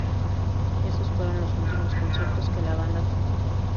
Esos fueron los últimos conciertos que la banda tocó.